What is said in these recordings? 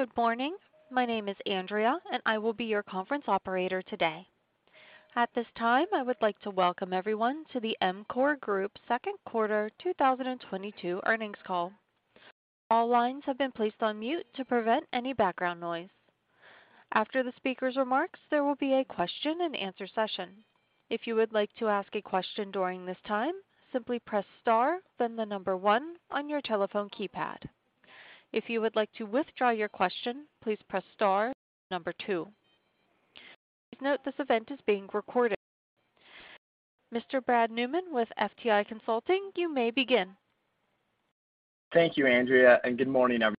Good morning. My name is Andrea, and I will be your conference operator today. At this time, I would like to welcome everyone to the EMCOR Group second quarter 2022 earnings call. All lines have been placed on mute to prevent any background noise. After the speaker's remarks, there will be a question-and-answer session. If you would like to ask a question during this time, simply press star, then the number one on your telephone keypad. If you would like to withdraw your question, please press star, number two. Please note this event is being recorded. Mr. Brad Newman with FTI Consulting, you may begin. Thank you, Andrea, and good morning, everyone.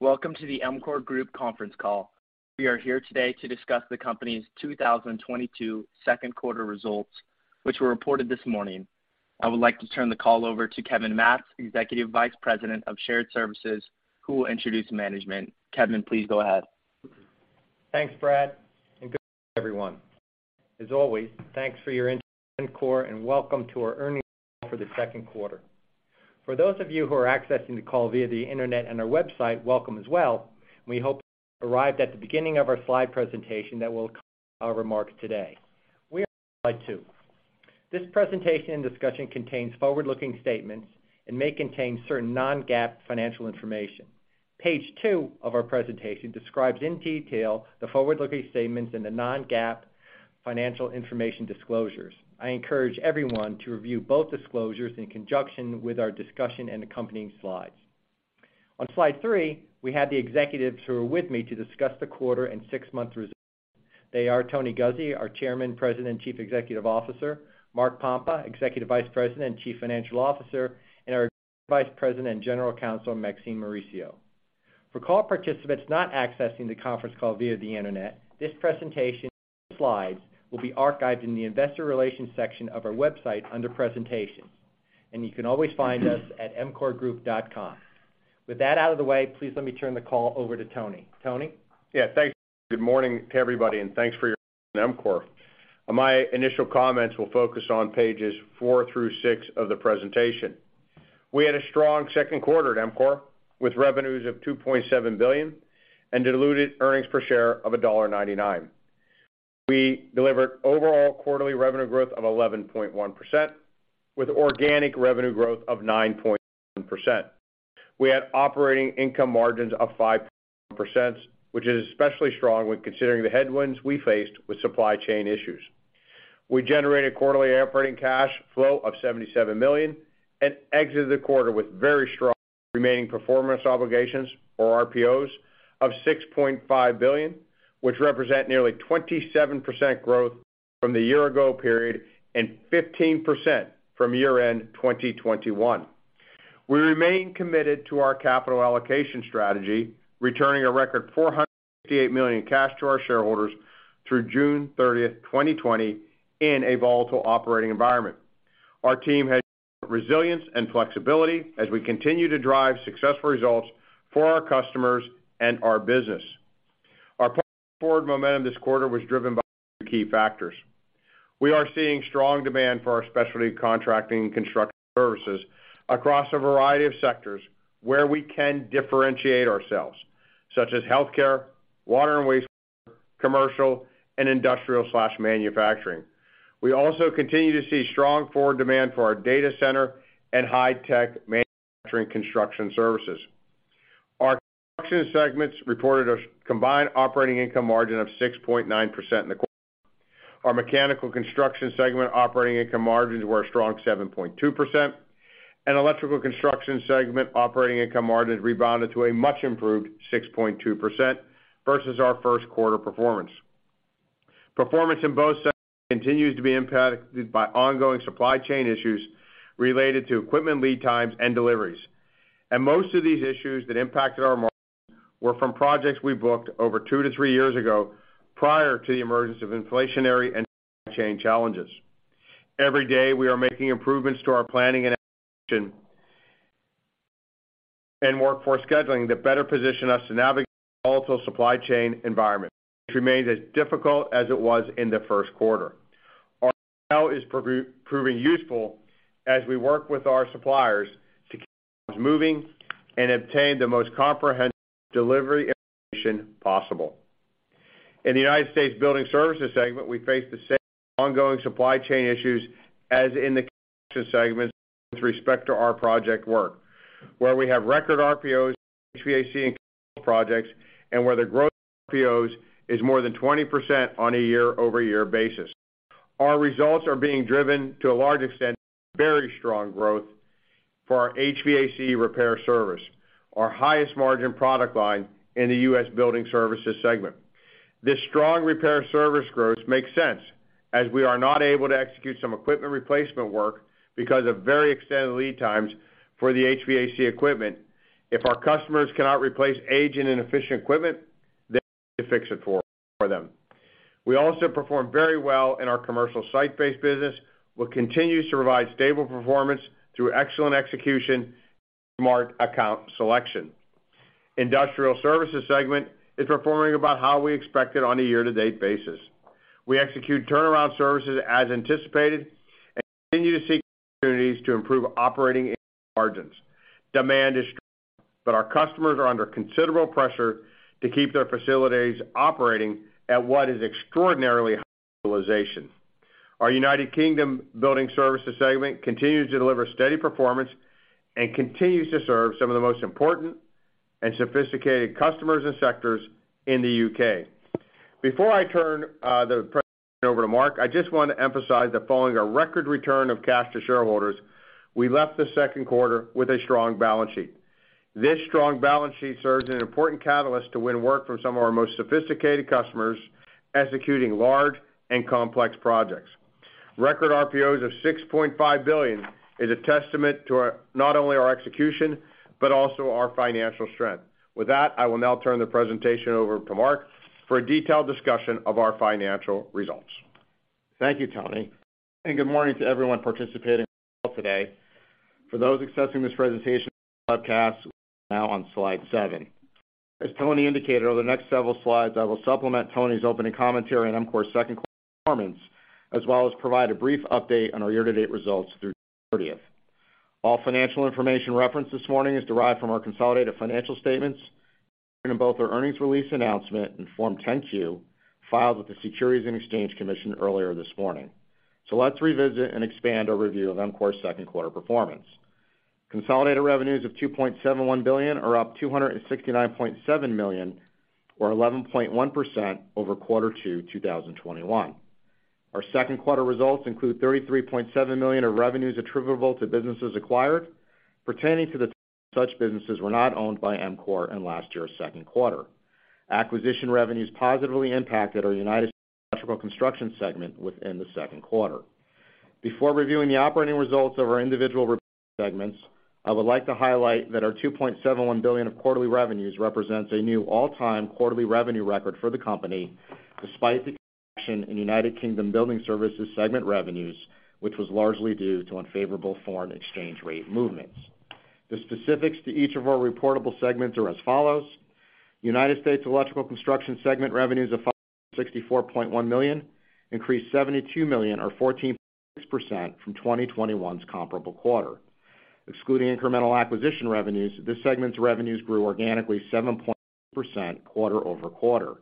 Welcome to the EMCOR Group conference call. We are here today to discuss the company's 2022 second quarter results, which were reported this morning. I would like to turn the call over to Kevin Matz, Executive Vice President of Shared Services, who will introduce management. Kevin, please go ahead. Thanks, Brad, and good morning, everyone. As always, thanks for your interest in EMCOR, and welcome to our earnings call for the second quarter. For those of you who are accessing the call via the internet and our website, welcome as well. We hope you arrived at the beginning of our slide presentation that will accompany our remarks today. We are on slide two. This presentation and discussion contains forward-looking statements and may contain certain non-GAAP financial information. Page two of our presentation describes in detail the forward-looking statements and the non-GAAP financial information disclosures. I encourage everyone to review both disclosures in conjunction with our discussion and accompanying slides. On slide three, we have the executives who are with me to discuss the quarter and six-month results. They are Tony Guzzi, our Chairman, President, and Chief Executive Officer, Mark Pompa, Executive Vice President and Chief Financial Officer, and our General Vice President and General Counsel, Maxine Mauricio. For call participants not accessing the conference call via the internet, this presentation and the slides will be archived in the investor relations section of our website under presentations. You can always find us at emcorgroup.com. With that out of the way, please let me turn the call over to Tony. Tony? Yeah. Thanks, Kevin. Good morning to everybody, and thanks for your interest in EMCOR. My initial comments will focus on pages four through six of the presentation. We had a strong second quarter at EMCOR, with revenues of $2.7 billion and diluted earnings per share of $1.99. We delivered overall quarterly revenue growth of 11.1%, with organic revenue growth of 9.1%. We had operating income margins of 5.1%, which is especially strong when considering the headwinds we faced with supply chain issues. We generated quarterly operating cash flow of $77 million and exited the quarter with very strong remaining performance obligations or RPOs of $6.5 billion, which represent nearly 27% growth from the year ago period and 15% from year-end 2021. We remain committed to our capital allocation strategy, returning a record $458 million in cash to our shareholders through June 30, 2020, in a volatile operating environment. Our team has shown resilience and flexibility as we continue to drive successful results for our customers and our business. Our positive forward momentum this quarter was driven by a few key factors. We are seeing strong demand for our specialty contracting construction services across a variety of sectors where we can differentiate ourselves, such as healthcare, water and wastewater, commercial, and industrial/manufacturing. We also continue to see strong forward demand for our data center and high-tech manufacturing construction services. Our construction segments reported a combined operating income margin of 6.9% in the quarter. Our mechanical construction segment operating income margins were a strong 7.2%, and electrical construction segment operating income margins rebounded to a much improved 6.2% versus our first quarter performance. Performance in both segments continues to be impacted by ongoing supply chain issues related to equipment lead times and deliveries. Most of these issues that impacted our margin were from projects we booked over 2-3 years ago prior to the emergence of inflationary and supply chain challenges. Every day, we are making improvements to our planning and execution and workforce scheduling that better position us to navigate the volatile supply chain environment, which remains as difficult as it was in the first quarter. Our model is proving useful as we work with our suppliers to keep jobs moving and obtain the most comprehensive delivery information possible. In the United States Building Services segment, we face the same ongoing supply chain issues as in the construction segments with respect to our project work, where we have record RPOs, HVAC, and commercial projects, and where the growth in RPOs is more than 20% on a year-over-year basis. Our results are being driven to a large extent by very strong growth for our HVAC repair service, our highest margin product line in the U.S. Building Services segment. This strong repair service growth makes sense as we are not able to execute some equipment replacement work because of very extended lead times for the HVAC equipment. If our customers cannot replace aging, inefficient equipment, they need us to fix it for them. We also perform very well in our commercial site-based business, which continues to provide stable performance through excellent execution and smart account selection. Industrial Services segment is performing about how we expected on a year-to-date basis. We execute turnaround services as anticipated and continue to see opportunities to improve operating margins. Demand is strong, but our customers are under considerable pressure to keep their facilities operating at what is extraordinarily high utilization. Our United Kingdom Building Services segment continues to deliver steady performance and continues to serve some of the most important and sophisticated customers and sectors in the U.K. Before I turn the presentation over to Mark, I just want to emphasize that following a record return of cash to shareholders, we left the second quarter with a strong balance sheet. This strong balance sheet serves an important catalyst to win work from some of our most sophisticated customers executing large and complex projects. Record RPOs of $6.5 billion is a testament to not only our execution, but also our financial strength. With that, I will now turn the presentation over to Mark for a detailed discussion of our financial results. Thank you, Tony. Good morning to everyone participating on the call today. For those accessing this presentation via webcast, we are now on slide seven. As Tony indicated, over the next several slides, I will supplement Tony's opening commentary on EMCOR's second quarter performance, as well as provide a brief update on our year-to-date results through June 30th. All financial information referenced this morning is derived from our consolidated financial statements, appearing in both our earnings release announcement and Form 10-Q, filed with the Securities and Exchange Commission earlier this morning. Let's revisit and expand our review of EMCOR's second quarter performance. Consolidated revenues of $2.71 billion are up $269.7 million or 11.1% over quarter 2 2021. Our second quarter results include $33.7 million of revenues attributable to businesses acquired as such businesses were not owned by EMCOR in last year's second quarter. Acquisition revenues positively impacted our United States Electrical Construction segment within the second quarter. Before reviewing the operating results of our individual reportable segments, I would like to highlight that our $2.71 billion of quarterly revenues represents a new all-time quarterly revenue record for the company, despite the contraction in United Kingdom Building Services segment revenues, which was largely due to unfavorable foreign exchange rate movements. The specifics to each of our reportable segments are as follows: United States Electrical Construction segment revenues of $564.1 million increased $72 million or 14.6% from 2021's comparable quarter. Excluding incremental acquisition revenues, this segment's revenues grew organically 7.8% quarter-over-quarter.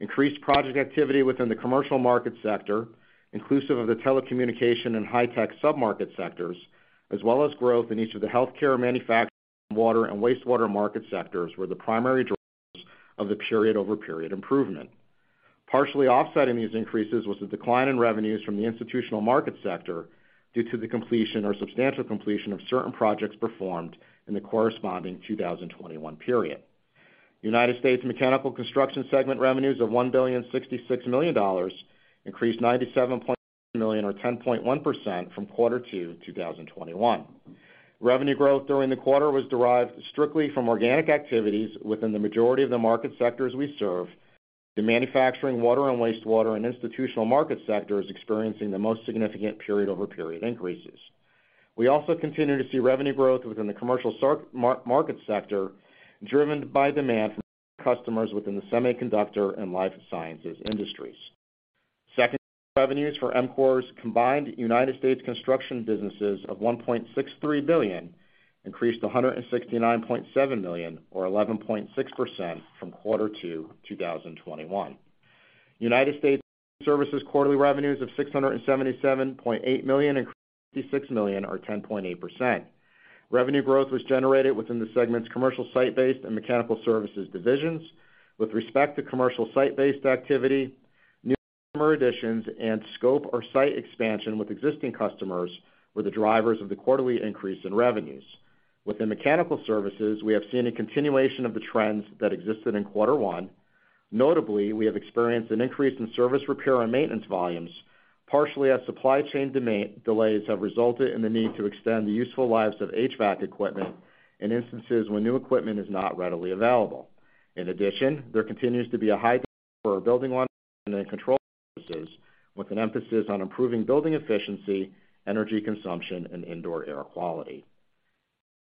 Increased project activity within the commercial market sector, inclusive of the telecommunication and high-tech submarket sectors, as well as growth in each of the healthcare manufacturing, water, and wastewater market sectors were the primary drivers of the period-over-period improvement. Partially offsetting these increases was the decline in revenues from the institutional market sector due to the completion or substantial completion of certain projects performed in the corresponding 2021 period. United States Mechanical Construction segment revenues of $1.066 billion increased $97.2 million or 10.1% from quarter 2 2021. Revenue growth during the quarter was derived strictly from organic activities within the majority of the market sectors we serve, the manufacturing water and wastewater and institutional market sectors experiencing the most significant period-over-period increases. We also continue to see revenue growth within the commercial market sector, driven by demand from customers within the semiconductor and life sciences industries. Second, revenues for EMCOR's combined United States construction businesses of $1.63 billion increased $169.7 million or 11.6% from quarter two 2021. United States Services quarterly revenues of $677.8 million increased $66 million or 10.8%. Revenue growth was generated within the segment's commercial site-based and mechanical services divisions. With respect to commercial site-based activity, new customer additions and scope or site expansion with existing customers were the drivers of the quarterly increase in revenues. Within mechanical services, we have seen a continuation of the trends that existed in quarter one. Notably, we have experienced an increase in service repair and maintenance volumes, partially as supply chain delays have resulted in the need to extend the useful lives of HVAC equipment in instances when new equipment is not readily available. In addition, there continues to be a high demand for building automation and control services, with an emphasis on improving building efficiency, energy consumption, and indoor air quality.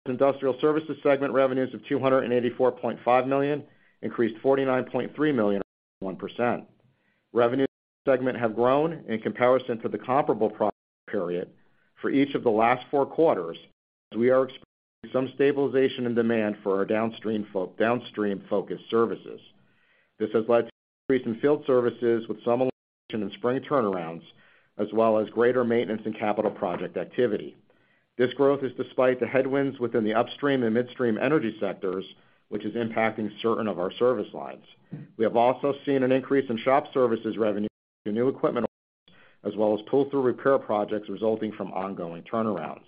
Industrial Services segment revenues of $284.5 million increased $49.3 million or 0.1%. Revenues in this segment have grown in comparison to the comparable prior period for each of the last four quarters as we are experiencing some stabilization and demand for our downstream-focused services. This has led to an increase in field services with some elimination of spring turnarounds, as well as greater maintenance and capital project activity. This growth is despite the headwinds within the upstream and midstream energy sectors, which is impacting certain of our service lines. We have also seen an increase in shop services revenue due to new equipment orders as well as pull-through repair projects resulting from ongoing turnarounds.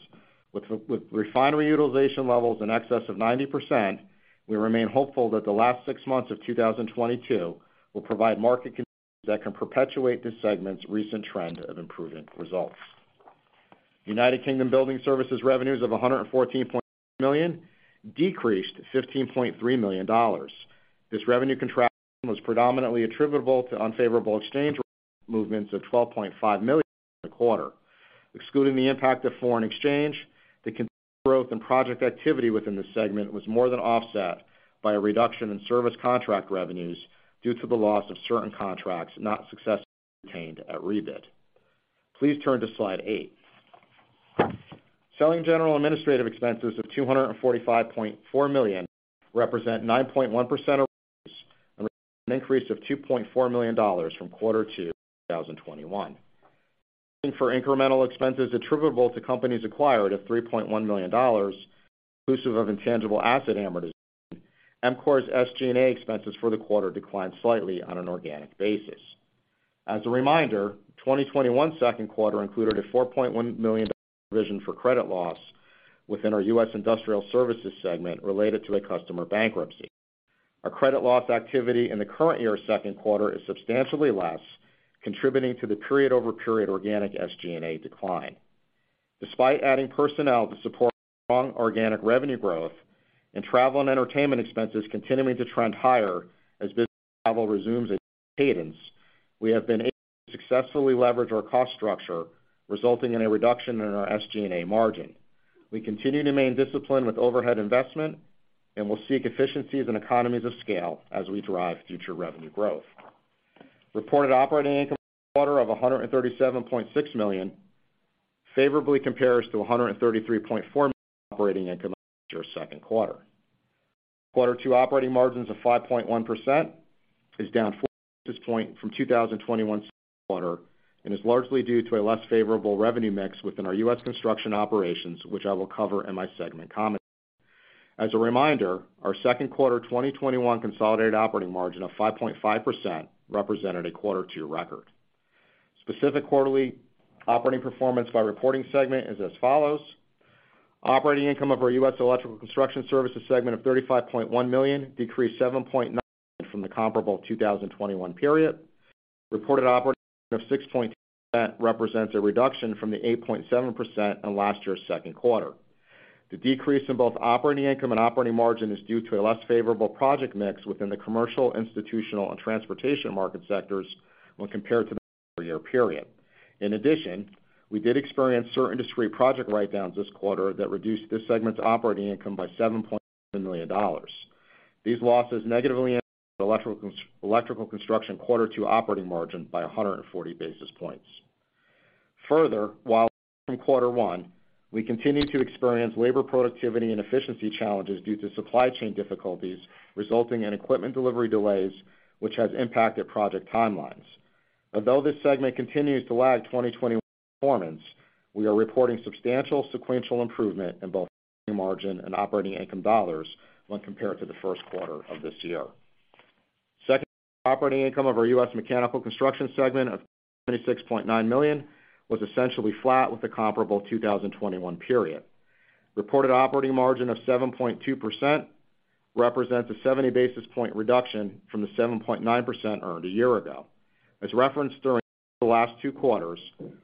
With refinery utilization levels in excess of 90%, we remain hopeful that the last six months of 2022 will provide market conditions that can perpetuate this segment's recent trend of improving results. United Kingdom Building Services revenues of $114.8 million decreased $15.3 million. This revenue contraction was predominantly attributable to unfavorable exchange rate movements of $12.5 million in the quarter. Excluding the impact of foreign exchange, the continued growth and project activity within this segment was more than offset by a reduction in service contract revenues due to the loss of certain contracts not successfully retained at rebid. Please turn to slide eight. Selling general administrative expenses of $245.4 million represent 9.1% of revenues, and represent an increase of $2.4 million from quarter 2, 2021. Adjusting for incremental expenses attributable to companies acquired of $3.1 million, inclusive of intangible asset amortization, EMCOR's SG&A expenses for the quarter declined slightly on an organic basis. As a reminder, 2021 second quarter included a $4.1 million provision for credit loss within our U.S. Industrial Services segment related to a customer bankruptcy. Our credit loss activity in the current year's second quarter is substantially less, contributing to the period-over-period organic SG&A decline. Despite adding personnel to support our strong organic revenue growth and travel and entertainment expenses continuing to trend higher as business travel resumes at increased cadence, we have been able to successfully leverage our cost structure, resulting in a reduction in our SG&A margin. We continue to remain disciplined with overhead investment, and we'll seek efficiencies and economies of scale as we drive future revenue growth. Reported operating income for the quarter of $137.6 million favorably compares to $133.4 million operating income last year's second quarter. quarter operating margins of 5.1% is down 40 basis points from 2021's second quarter and is largely due to a less favorable revenue mix within our U.S. construction operations, which I will cover in my segment commentary. Our second quarter 2021 consolidated operating margin of 5.5% represented a quarter-to-year record. Specific quarterly operating performance by reporting segment is as follows. Operating income of our U.S. Electrical Construction Services segment of $35.1 million decreased $7.9 million from the comparable 2021 period. Reported operating income of 6.2% represents a reduction from the 8.7% in last year's second quarter. The decrease in both operating income and operating margin is due to a less favorable project mix within the commercial, institutional, and transportation market sectors when compared to the prior year period. In addition, we did experience certain industry project write-downs this quarter that reduced this segment's operating income by $7.7 million. These losses negatively impacted electrical construction quarter two operating margin by 140 basis points. Further, while up from quarter one, we continue to experience labor productivity and efficiency challenges due to supply chain difficulties resulting in equipment delivery delays, which has impacted project timelines. Although this segment continues to lag 2021 performance, we are reporting substantial sequential improvement in both revenue margin and operating income dollars when compared to the first quarter of this year. Second, operating income of our U.S. Mechanical Construction segment of $26.9 million was essentially flat with the comparable 2021 period. Reported operating margin of 7.2% represents a 70 basis point reduction from the 7.9% earned a year ago. As referenced during the last two quarters,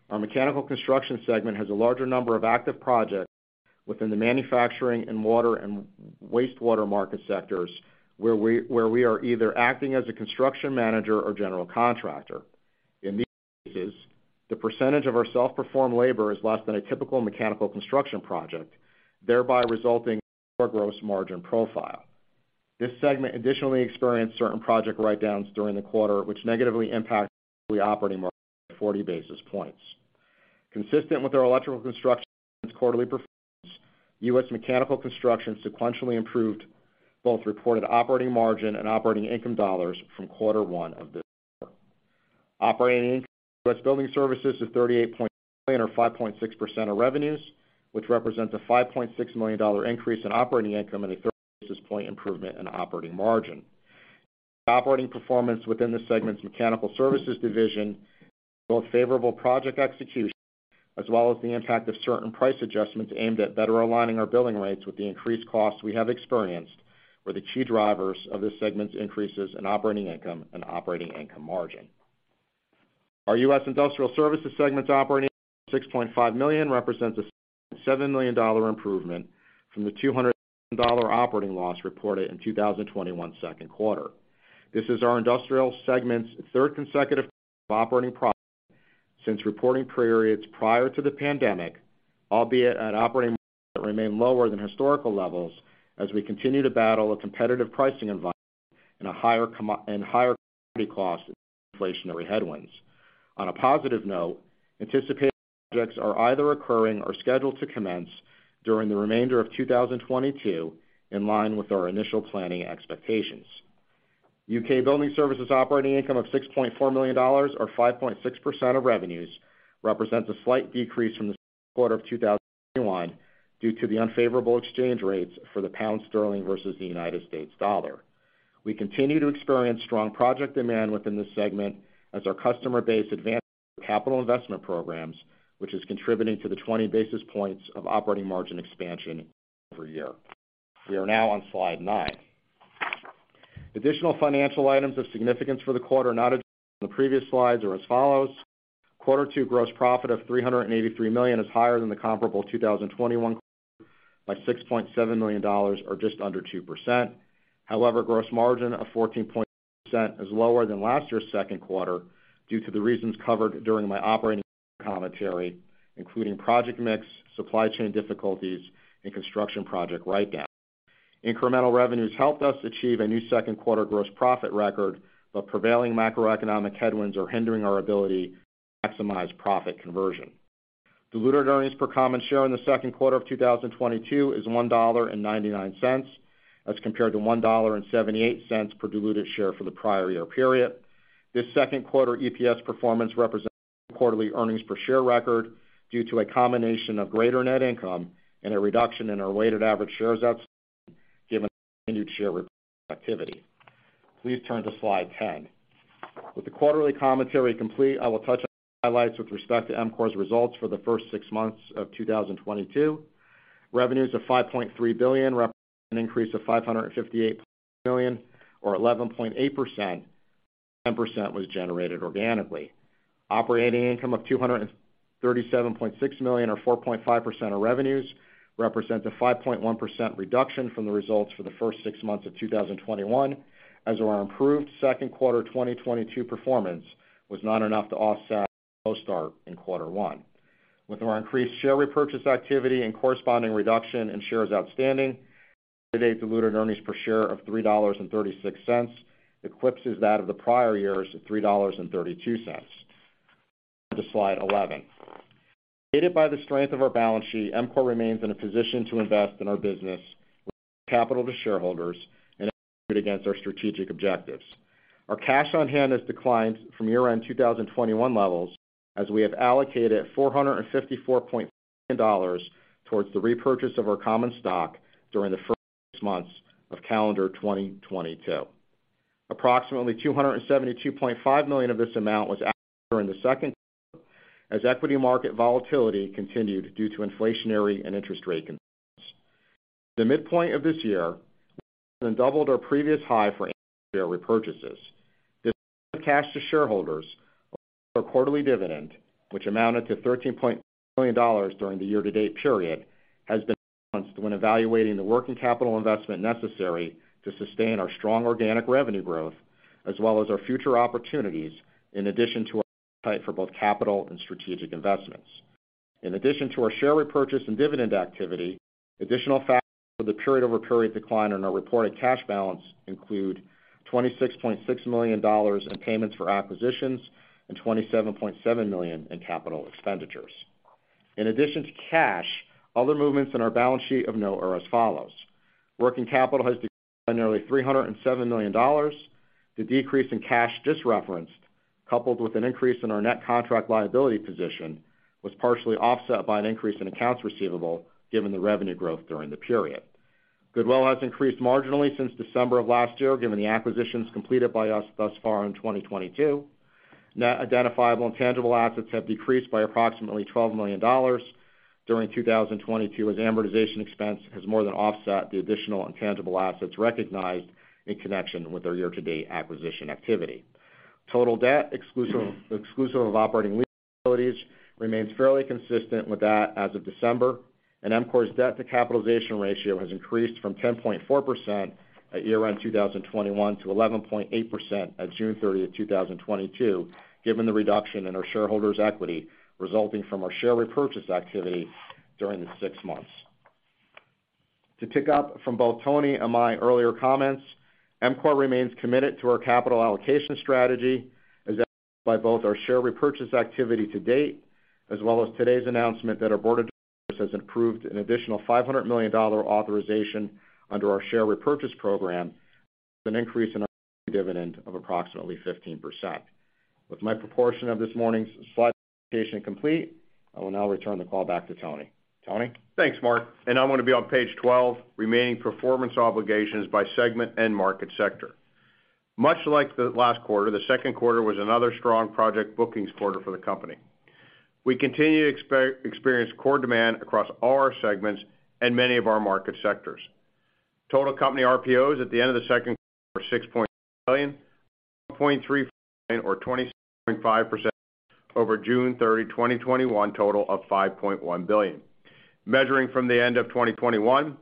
our Mechanical Construction segment has a larger number of active projects within the manufacturing and water and wastewater market sectors, where we are either acting as a construction manager or general contractor. In these cases, the percentage of our self-performed labor is less than a typical mechanical construction project, thereby resulting in a lower gross margin profile. This segment additionally experienced certain project write-downs during the quarter, which negatively impacted quarterly operating margin by 40 basis points. Consistent with our electrical construction's quarterly performance, U.S. Mechanical Construction sequentially improved both reported operating margin and operating income dollars from quarter one of this year. Operating income for U.S. Building Services of $38.8 million or 5.6% of revenues, which represents a $5.6 million increase in operating income and a 30 basis point improvement in operating margin. The operating performance within the segment's mechanical services division, both favorable project execution, as well as the impact of certain price adjustments aimed at better aligning our billing rates with the increased costs we have experienced, were the key drivers of this segment's increases in operating income and operating income margin. Our U.S. Industrial Services segment's operating income of $6.5 million represents a $7.7 million improvement from the $200,000 operating loss reported in 2021 second quarter. This is our industrial segment's third consecutive quarter of operating profit since reporting periods prior to the pandemic, albeit at operating margins that remain lower than historical levels as we continue to battle a competitive pricing environment and higher commodity costs amid inflationary headwinds. On a positive note, anticipated projects are either occurring or scheduled to commence during the remainder of 2022, in line with our initial planning expectations. U.K. Building Services operating income of $6.4 million or 5.6% of revenues represents a slight decrease from the second quarter of 2021 due to the unfavorable exchange rates for the pound sterling versus the United States dollar. We continue to experience strong project demand within this segment as our customer base advances their capital investment programs, which is contributing to the 20 basis points of operating margin expansion year over year. We are now on slide nine. Additional financial items of significance for the quarter not addressed on the previous slides are as follows. Quarter two gross profit of $383 million is higher than the comparable 2021 quarter by $6.7 million or just under 2%. However, gross margin of 14.5% is lower than last year's second quarter due to the reasons covered during my operating commentary, including project mix, supply chain difficulties, and construction project write-downs. Incremental revenues helped us achieve a new second quarter gross profit record, but prevailing macroeconomic headwinds are hindering our ability to maximize profit conversion. Diluted earnings per common share in the second quarter of 2022 is $1.99, as compared to $1.78 per diluted share for the prior year period. This second quarter EPS performance represents a new quarterly earnings per share record due to a combination of greater net income and a reduction in our weighted average shares outstanding, given our continued share repurchase activity. Please turn to slide 10. With the quarterly commentary complete, I will touch on some highlights with respect to EMCOR's results for the first six months of 2022. Revenues of $5.3 billion represent an increase of $558 million or 11.8%, where 10% was generated organically. Operating income of $237.6 million or 4.5% of revenues represent a 5.1% reduction from the results for the first six months of 2021, as our improved second quarter 2022 performance was not enough to offset our slow start in quarter one. With our increased share repurchase activity and corresponding reduction in shares outstanding, our year-to-date diluted earnings per share of $3.36 eclipses that of the prior year's at $3.32. Please turn to slide 11. Aided by the strength of our balance sheet, EMCOR remains in a position to invest in our business, return capital to shareholders, and execute against our strategic objectives. Our cash on hand has declined from year-end 2021 levels, as we have allocated $454.5 million towards the repurchase of our common stock during the first six months of calendar 2022. Approximately $272.5 million of this amount was allocated during the second quarter, as equity market volatility continued due to inflationary and interest rate concerns. At the midpoint of this year, we have more than doubled our previous high for annual share repurchases. This method of cash to shareholders, along with our quarterly dividend, which amounted to $13.3 million during the year-to-date period, has been balanced when evaluating the working capital investment necessary to sustain our strong organic revenue growth as well as our future opportunities, in addition to appetite for both capital and strategic investments. In addition to our share repurchase and dividend activity, additional factors for the period-over-period decline in our reported cash balance include $26.6 million in payments for acquisitions and $27.7 million in capital expenditures. In addition to cash, other movements in our balance sheet of note are as follows. Working capital has decreased by nearly $307 million. The decrease in cash just referenced, coupled with an increase in our net contract liability position, was partially offset by an increase in accounts receivable given the revenue growth during the period. Goodwill has increased marginally since December of last year, given the acquisitions completed by us thus far in 2022. Net identifiable and tangible assets have decreased by approximately $12 million during 2022, as amortization expense has more than offset the additional intangible assets recognized in connection with our year-to-date acquisition activity. Total debt exclusive of operating lease liabilities remains fairly consistent with that as of December, and EMCOR's debt to capitalization ratio has increased from 10.4% at year-end 2021 to 11.8% at June 30, 2022, given the reduction in our shareholders' equity resulting from our share repurchase activity during the six months. To pick up from both Tony and my earlier comments, EMCOR remains committed to our capital allocation strategy, as evidenced by both our share repurchase activity to date, as well as today's announcement that our board of directors has approved an additional $500 million authorization under our share repurchase program, which represents an increase in our annual dividend of approximately 15%. With my proportion of this morning's slide presentation complete, I will now return the call back to Tony. Tony? Thanks, Mark. I'm going to be on page 12, remaining performance obligations by segment and market sector. Much like the last quarter, the second quarter was another strong project bookings quarter for the company. We continue to experience core demand across all our segments and many of our market sectors. Total company RPOs at the end of the second quarter were $6.8 billion, up $0.34 billion or 26.5% over June 30, 2021 total of $5.1 billion. Measuring from the end of 2021,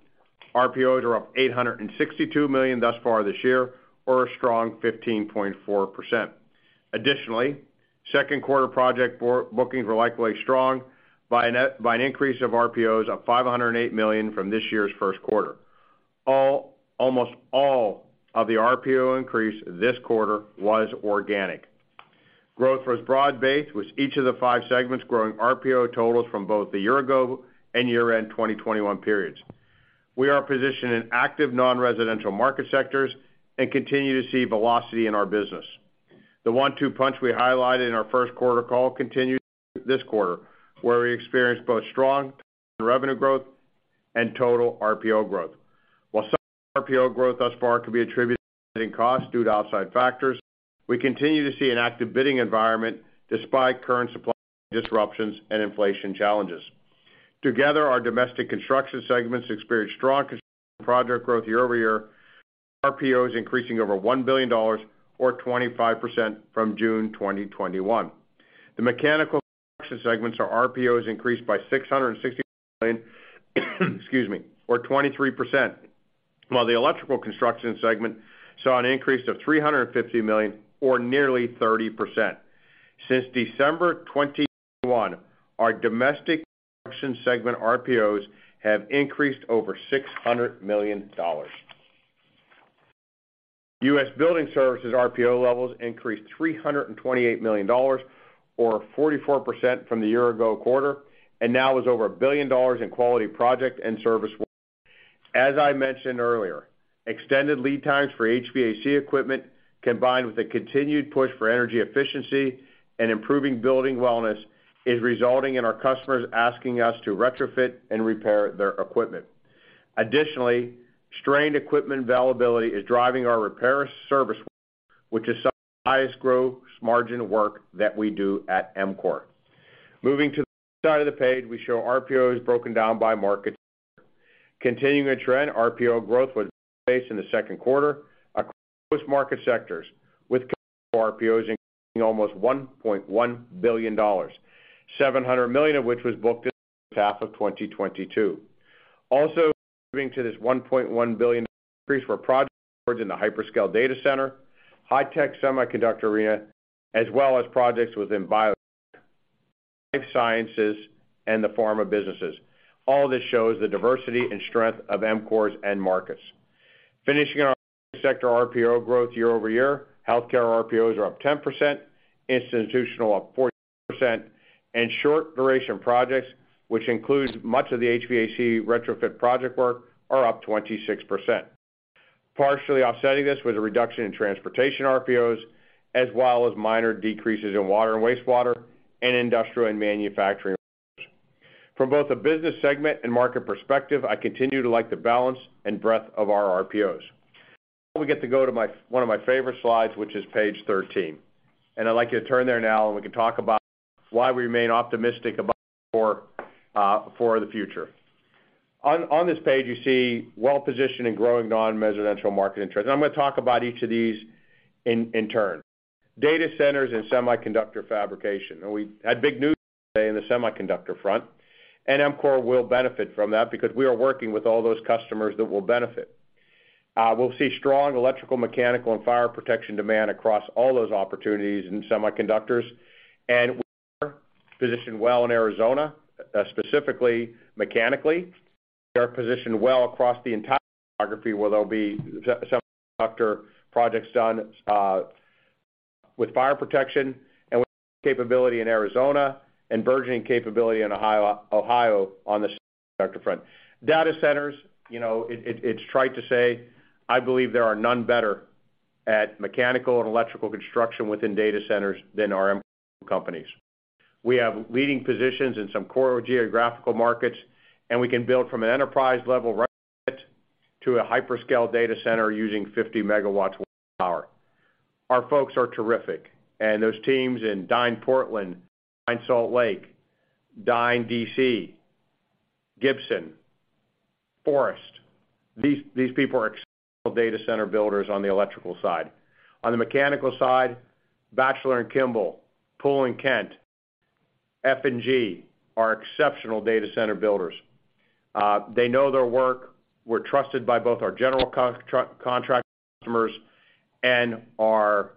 RPOs are up $862 million thus far this year or a strong 15.4%. Additionally, second quarter project bookings were likewise strong by an increase of RPOs of $508 million from this year's first quarter. Almost all of the RPO increase this quarter was organic. Growth was broad-based, with each of the five segments growing RPO totals from both the year-ago and year-end 2021 periods. We are positioned in active non-residential market sectors and continue to see velocity in our business. The 1/2 punch we highlighted in our first quarter call continued this quarter, where we experienced both strong top-line revenue growth and total RPO growth. While some of our RPO growth thus far could be attributed to rising costs due to outside factors, we continue to see an active bidding environment despite current supply chain disruptions and inflation challenges. Together, our domestic construction segments experienced strong construction project growth year-over-year with RPOs increasing over $1 billion or 25% from June 2021. The mechanical construction segments or RPOs increased by $660 million, excuse me, or 23%, while the electrical construction segment saw an increase of $350 million or nearly 30%. Since December 2021, our domestic construction segment RPOs have increased over $600 million. U.S. building services RPO levels increased $328 million, or 44% from the year-ago quarter, and now is over $1 billion in quality project and service work. As I mentioned earlier, extended lead times for HVAC equipment, combined with a continued push for energy efficiency and improving building wellness, is resulting in our customers asking us to retrofit and repair their equipment. Additionally, strained equipment availability is driving our repair service work, which is some of the highest gross margin work that we do at EMCOR. Moving to the right side of the page, we show RPOs broken down by market sector. Continuing a trend, RPO growth was widespread in the second quarter across most market sectors, with commercial RPOs increasing almost $1.1 billion, $700 million of which was booked in the first half of 2022. Also contributing to this $1.1 billion increase were project awards in the hyperscale data center, high-tech semiconductor arena, as well as projects within biotech, life sciences, and the pharma businesses. All this shows the diversity and strength of EMCOR's end markets. Finishing our market sector RPO growth year over year, healthcare RPOs are up 10%, institutional up 14%, and short duration projects, which includes much of the HVAC retrofit project work, are up 26%. Partially offsetting this was a reduction in transportation RPOs, as well as minor decreases in water and wastewater and industrial and manufacturing RPOs. From both a business segment and market perspective, I continue to like the balance and breadth of our RPOs. Now we get to go to one of my favorite slides, which is page 13, and I'd like you to turn there now, and we can talk about why we remain optimistic about EMCOR for the future. On this page, you see well-positioned and growing non-residential market interest. I'm gonna talk about each of these in turn. Data centers and semiconductor fabrication. Now we had big news today in the semiconductor front, and EMCOR will benefit from that because we are working with all those customers that will benefit. We'll see strong electrical, mechanical, and fire protection demand across all those opportunities in semiconductors. We are positioned well in Arizona, specifically mechanically, and we are positioned well across the entire geography where there'll be semiconductor projects done, with fire protection and with capability in Arizona and burgeoning capability in Ohio on the semiconductor front. Data centers, you know, it's trite to say, I believe there are none better at mechanical and electrical construction within data centers than our EMCOR companies. We have leading positions in some core geographical markets, and we can build from an enterprise level retrofit to a hyperscale data center using 50 MW of power. Our folks are terrific. Those teams in Dynalectric Portland, Dynalectric Salt Lake, Dynalectric DC, Gibson Electric, Forest Electric, these people are exceptional data center builders on the electrical side. On the mechanical side, Batchelor & Kimball, Poole & Kent, F&G are exceptional data center builders. They know their work. We're trusted by both our general contractor customers and our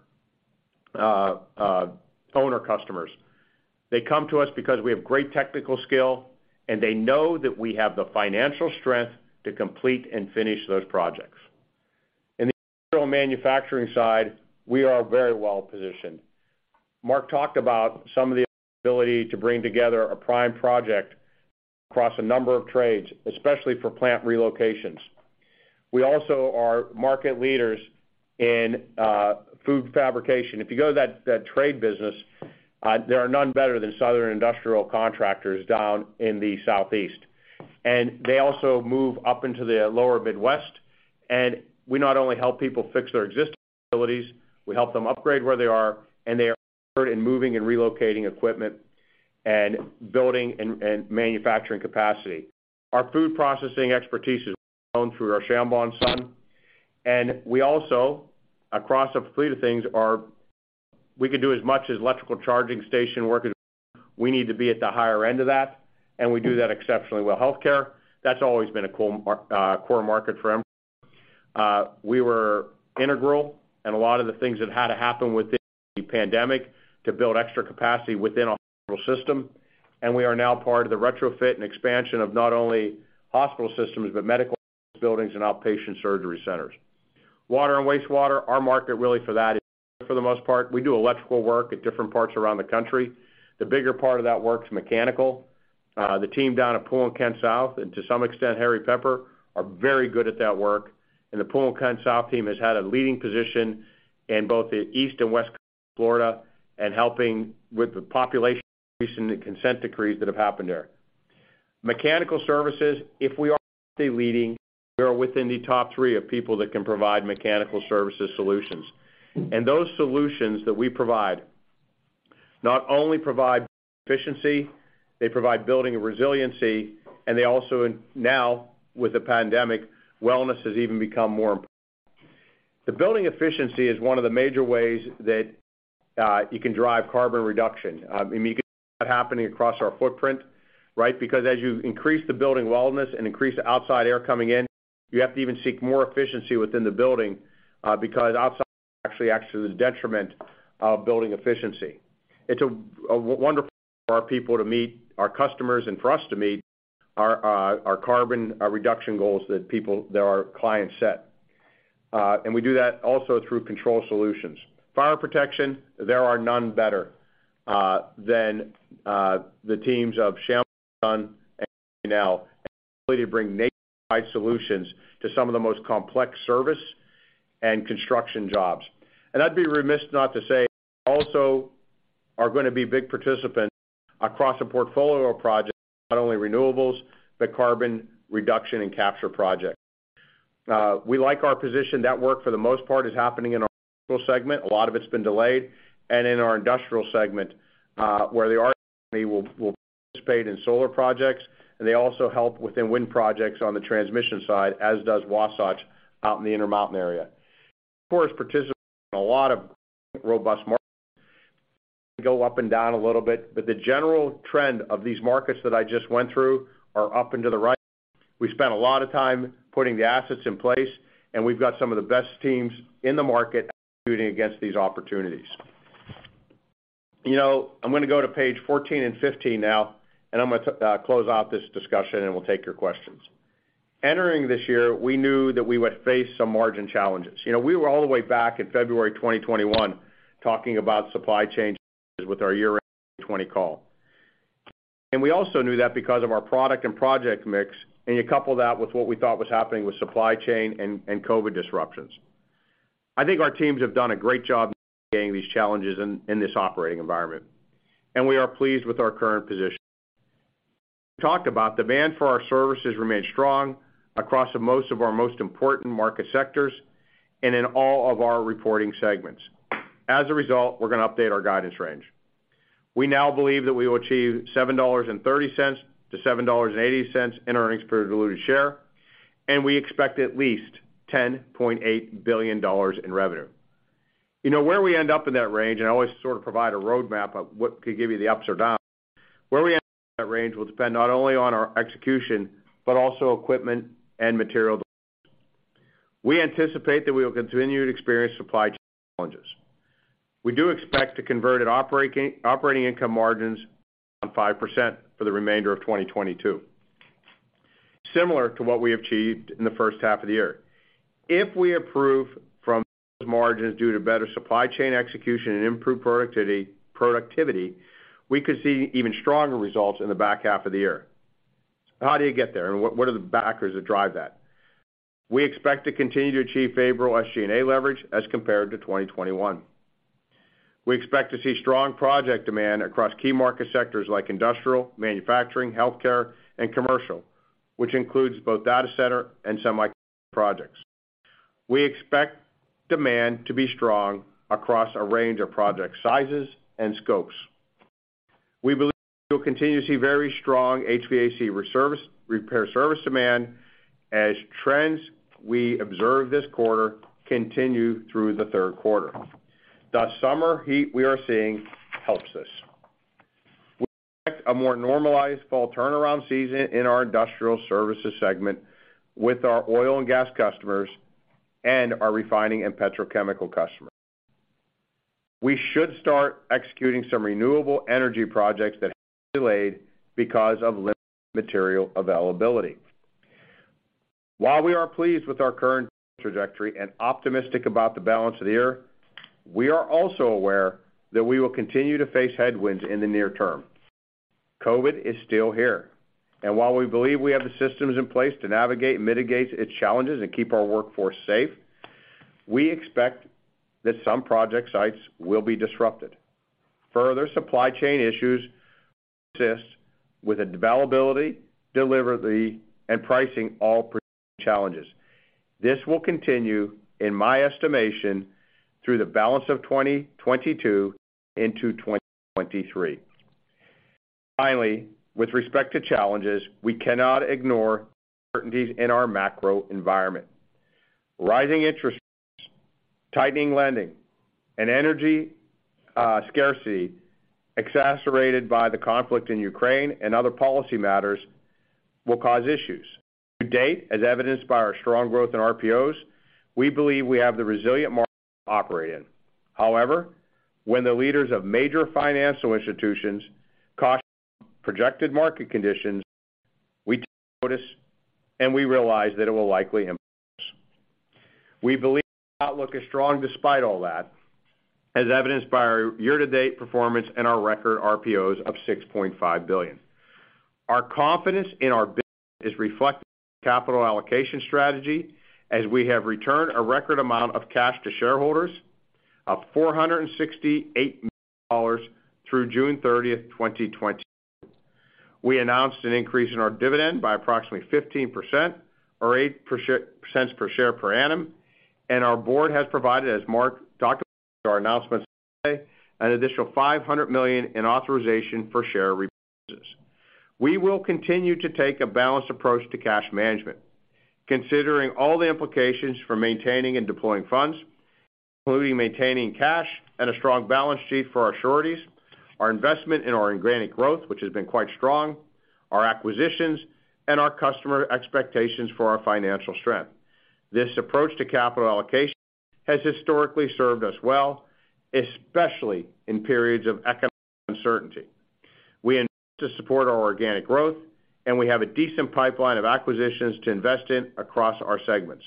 owner customers. They come to us because we have great technical skill and they know that we have the financial strength to complete and finish those projects. In the industrial manufacturing side, we are very well-positioned. Mark talked about some of the ability to bring together a prime project across a number of trades, especially for plant relocations. We also are market leaders in food fabrication. If you go to that trade business, there are none better than Southern Industrial Constructors down in the southeast. They also move up into the lower Midwest, and we not only help people fix their existing facilities, we help them upgrade where they are, and they are expert in moving and relocating equipment and building and manufacturing capacity. Our food processing expertise is well-known through our Shambaugh & Son. We also, across a fleet of things, We can do as much as electrical charging station work as anyone. We need to be at the higher end of that, and we do that exceptionally well. Healthcare, that's always been a core market for EMCOR. We were integral in a lot of the things that had to happen within the pandemic to build extra capacity within a hospital system, and we are now part of the retrofit and expansion of not only hospital systems, but medical office buildings and outpatient surgery centers. Water and wastewater, our market really for that is sewer for the most part. We do electrical work at different parts around the country. The bigger part of that work's mechanical. The team down at Poole & Kent South, and to some extent, Harry Pepper, are very good at that work. The Poole & Kent South team has had a leading position in both the East and West Coast of Florida and helping with the population increase and the consent decrees that have happened there. Mechanical services, if we are not the leading, we are within the top three of people that can provide mechanical services solutions. Those solutions that we provide not only provide building efficiency, they provide building resiliency, and they also, now with the pandemic, wellness has even become more important. The building efficiency is one of the major ways that you can drive carbon reduction. You can see that happening across our footprint, right? Because as you increase the building wellness and increase the outside air coming in, you have to even seek more efficiency within the building, because outside actually adds to the detriment of building efficiency. It's a wonderful way for our people to meet our customers and for us to meet our carbon reduction goals that our clients set. We do that also through control solutions. Fire protection, there are none better than the teams of Shambaugh & Son and Eldeco, and their ability to bring nationwide solutions to some of the most complex service and construction jobs. I'd be remiss not to say they also are gonna be big participants across a portfolio of projects, not only renewables, but carbon reduction and capture projects. We like our position. That work, for the most part, is happening in our Commercial segment, a lot of it's been delayed, and in our Industrial segment, where they will participate in solar projects, and they also help within wind projects on the transmission side, as does Wasatch out in the Intermountain area. Of course, participating in a lot of robust markets can go up and down a little bit, but the general trend of these markets that I just went through are up and to the right. We spent a lot of time putting the assets in place, and we've got some of the best teams in the market executing against these opportunities. You know, I'm gonna go to page 14 and 15 now, and I'm gonna close out this discussion, and we'll take your questions. Entering this year, we knew that we would face some margin challenges. You know, we were all the way back in February 2021 talking about supply chain challenges with our year-end 2020 call. We also knew that because of our product and project mix, and you couple that with what we thought was happening with supply chain and COVID disruptions. I think our teams have done a great job navigating these challenges in this operating environment, and we are pleased with our current position. As we talked about, demand for our services remained strong across most of our most important market sectors and in all of our reporting segments. As a result, we're gonna update our guidance range. We now believe that we will achieve $7.30-$7.80 in earnings per diluted share, and we expect at least $10.8 billion in revenue. You know, where we end up in that range, and I always sort of provide a roadmap of what could give you the ups or downs, where we end up in that range will depend not only on our execution, but also equipment and material delays. We anticipate that we will continue to experience supply chain challenges. We do expect to convert at operating income margins around 5% for the remainder of 2022. Similar to what we achieved in the first half of the year. If we improve from those margins due to better supply chain execution and improved productivity, we could see even stronger results in the back half of the year. How do you get there, and what are the factors that drive that? We expect to continue to achieve favorable SG&A leverage as compared to 2021. We expect to see strong project demand across key market sectors like industrial, manufacturing, healthcare, and commercial, which includes both data center and semi projects. We expect demand to be strong across a range of project sizes and scopes. We believe we will continue to see very strong HVAC repair service demand as trends we observe this quarter continue through the third quarter. The summer heat we are seeing helps us. We expect a more normalized fall turnaround season in our industrial services segment with our oil and gas customers and our refining and petrochemical customers. We should start executing some renewable energy projects that have been delayed because of limited material availability. While we are pleased with our current trajectory and optimistic about the balance of the year, we are also aware that we will continue to face headwinds in the near term. COVID is still here, and while we believe we have the systems in place to navigate and mitigate its challenges and keep our workforce safe, we expect that some project sites will be disrupted. Further supply chain issues will persist with availability, delivery, and pricing all presenting challenges. This will continue, in my estimation, through the balance of 2022 into 2023. Finally, with respect to challenges, we cannot ignore the uncertainties in our macro environment. Rising interest rates, tightening lending, and energy scarcity exacerbated by the conflict in Ukraine and other policy matters will cause issues. To date, as evidenced by our strong growth in RPOs, we believe we have the resilient market to operate in. However, when the leaders of major financial institutions caution on projected market conditions, we take notice, and we realize that it will likely impact us. We believe our outlook is strong despite all that, as evidenced by our year-to-date performance and our record RPOs of $6.5 billion. Our confidence in our business is reflected in our capital allocation strategy, as we have returned a record amount of cash to shareholders of $468 million through June 30, 2022. We announced an increase in our dividend by approximately 15% or 8 cents per share per annum, and our board has provided, as Mark documented our announcement today, an additional $500 million in authorization for share repurchases. We will continue to take a balanced approach to cash management, considering all the implications for maintaining and deploying funds, including maintaining cash and a strong balance sheet for our sureties, our investment in our organic growth, which has been quite strong, our acquisitions, and our customer expectations for our financial strength. This approach to capital allocation has historically served us well, especially in periods of economic uncertainty. We aim to support our organic growth, and we have a decent pipeline of acquisitions to invest in across our segments.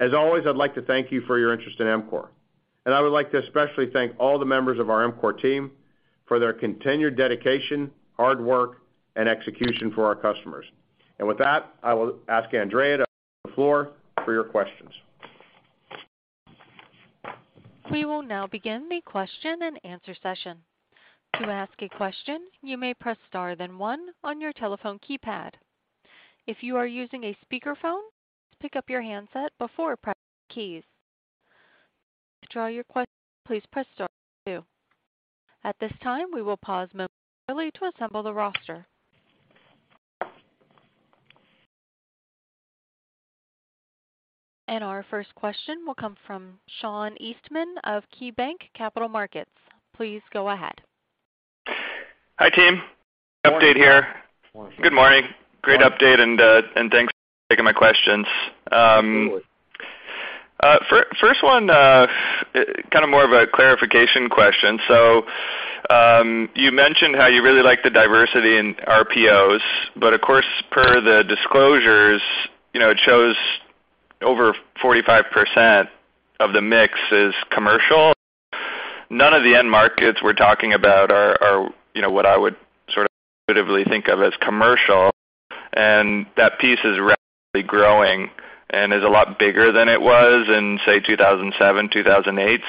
As always, I'd like to thank you for your interest in EMCOR, and I would like to especially thank all the members of our EMCOR team for their continued dedication, hard work, and execution for our customers. With that, I will ask Andrea to open the floor for your questions. We will now begin the question-and-answer session. To ask a question, you may press star then one on your telephone keypad. If you are using a speakerphone, pick up your handset before pressing the keys. To withdraw your question, please press star two. At this time, we will pause momentarily to assemble the roster. Our first question will come from Sean Eastman of KeyBanc Capital Markets. Please go ahead. Hi, team. Update here. Good morning. Good morning. Great update and thanks for taking my questions. Absolutely. First one, kind of more of a clarification question. You mentioned how you really like the diversity in RPOs, but of course, per the disclosures, you know, it shows over 45% of the mix is commercial. None of the end markets we're talking about are, you know, what I would sort of intuitively think of as commercial, and that piece is rapidly growing and is a lot bigger than it was in, say, 2007, 2008.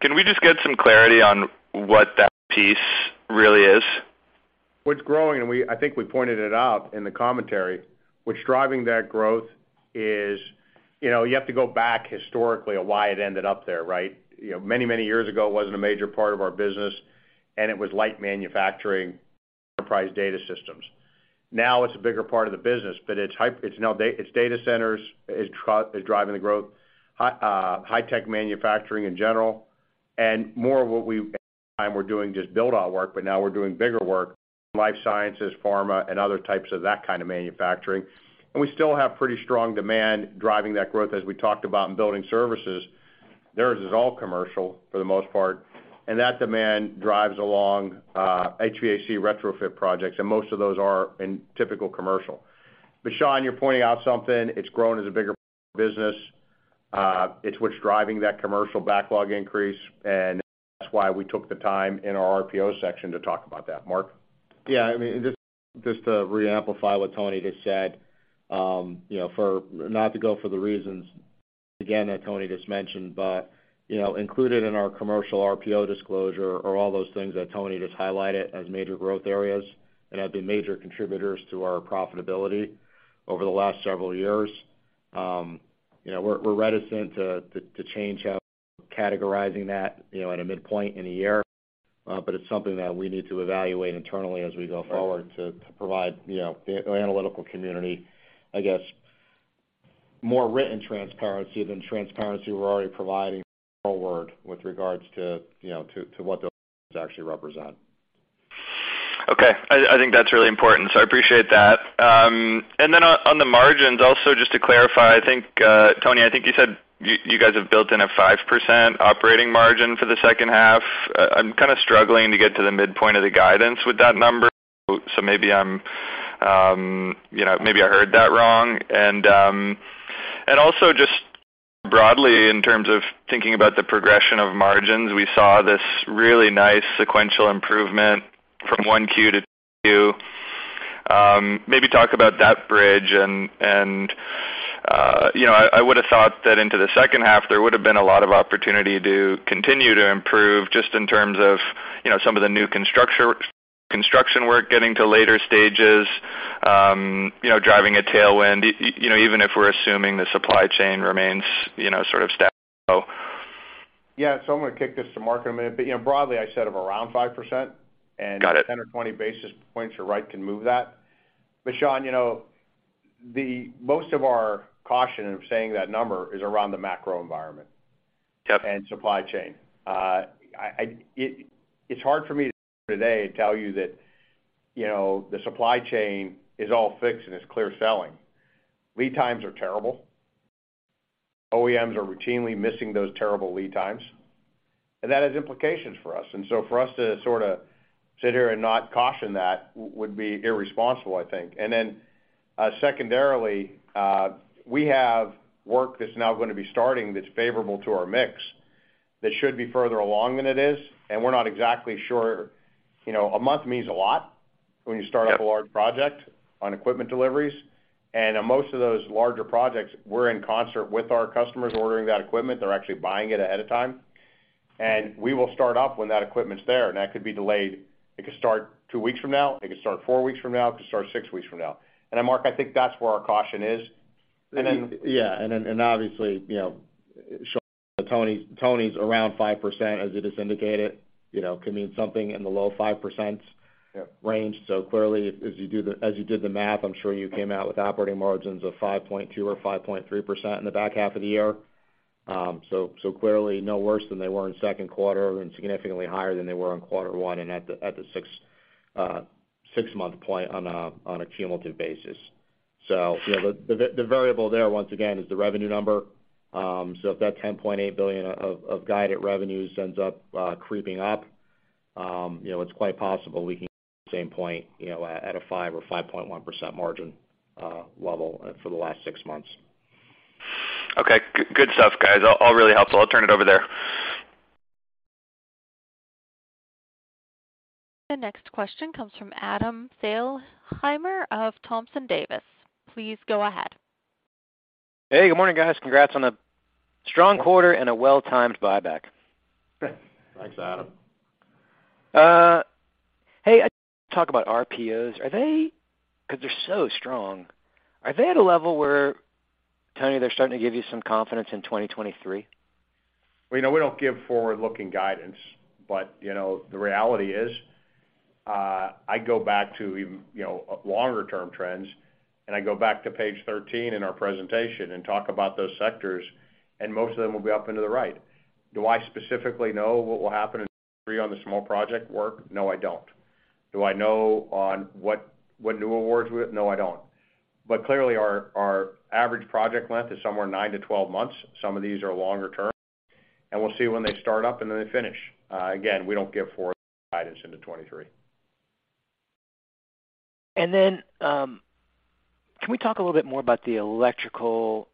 Can we just get some clarity on what that piece really is? What's growing. I think we pointed it out in the commentary, what's driving that growth is, you know, you have to go back historically on why it ended up there, right? You know, many, many years ago, it wasn't a major part of our business, and it was light manufacturing, enterprise data systems. Now it's a bigger part of the business, but it's now data centers is driving the growth, high-tech manufacturing in general, and more of what we've, over time, we're doing just build-out work, but now we're doing bigger work, life sciences, pharma, and other types of that kind of manufacturing. We still have pretty strong demand driving that growth. As we talked about in building services, theirs is all commercial for the most part, and that demand drives along, HVAC retrofit projects, and most of those are in typical commercial. Sean, you're pointing out something, it's grown as a bigger part of the business, it's what's driving that commercial backlog increase, and that's why we took the time in our RPO section to talk about that. Mark? Yeah. I mean, just to re-amplify what Tony just said, you know, not to go over the reasons again that Tony just mentioned, but, you know, included in our commercial RPO disclosure are all those things that Tony just highlighted as major growth areas and have been major contributors to our profitability over the last several years. You know, we're reticent to change how we're categorizing that, you know, at a midpoint in a year, but it's something that we need to evaluate internally as we go forward to provide, you know, the analytical community, I guess, more written transparency than the transparency we're already providing going forward with regards to, you know, what those actually represent. Okay. I think that's really important, so I appreciate that. On the margins also, just to clarify, I think Tony, I think you said you guys have built in a 5% operating margin for the second half. I'm kinda struggling to get to the midpoint of the guidance with that number, so maybe I'm you know, maybe I heard that wrong. Also just broadly, in terms of thinking about the progression of margins, we saw this really nice sequential improvement from 1Q to 2Q. Maybe talk about that bridge and you know, I would have thought that into the second half, there would have been a lot of opportunity to continue to improve just in terms of, you know, some of the new construction work getting to later stages, you know, driving a tailwind, you know, even if we're assuming the supply chain remains, you know, sort of status quo. Yeah. I'm gonna kick this to Mark in a minute, but, you know, broadly, I said of around 5%. Got it. 10 or 20 basis points, you're right, can move that. Sean, you know, most of our caution in saying that number is around the macro environment- Yep. Supply chain. It's hard for me today to tell you that, you know, the supply chain is all fixed and it's clear sailing. Lead times are terrible. OEMs are routinely missing those terrible lead times, and that has implications for us. For us to sorta sit here and not caution that would be irresponsible, I think. We have work that's now gonna be starting that's favorable to our mix that should be further along than it is, and we're not exactly sure. You know, a month means a lot when you start up a large project on equipment deliveries. Most of those larger projects, we're in concert with our customers ordering that equipment. They're actually buying it ahead of time. We will start up when that equipment's there, and that could be delayed. It could start two weeks from now, it could start four weeks from now, it could start six weeks from now. Mark, I think that's where our caution is. Obviously, you know, Tony's around 5%, as you just indicated, you know, could mean something in the low 5%. Yeah range. Clearly, as you did the math, I'm sure you came out with operating margins of 5.2% or 5.3% in the back half of the year. Clearly no worse than they were in second quarter and significantly higher than they were in quarter one and at the six-month point on a cumulative basis. You know, the variable there, once again, is the revenue number. If that $10.8 billion of guided revenues ends up creeping up, you know, it's quite possible we can same point, you know, at a 5% or 5.1% margin level for the last six months. Okay. Good stuff, guys. All really helpful. I'll turn it over there. The next question comes from Adam Thalhimer of Thompson Davis. Please go ahead. Hey, good morning, guys. Congrats on a strong quarter and a well-timed buyback. Thanks, Adam. Hey, I want to talk about RPOs 'cause they're so strong. Are they at a level where, Tony, they're starting to give you some confidence in 2023? Well, you know, we don't give forward-looking guidance, but, you know, the reality is, I go back to even, you know, longer-term trends, and I go back to page 13 in our presentation and talk about those sectors, and most of them will be up into the right. Do I specifically know what will happen in 2023 on the small project work? No, I don't. Do I know what new awards will? No, I don't. Clearly, our average project length is somewhere 9-12 months. Some of these are longer term, and we'll see when they start up and then they finish. Again, we don't give forward guidance into 2023. Can we talk a little bit more about the electrical